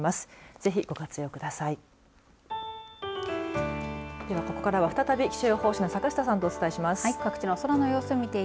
ぜひ、ご活用ください。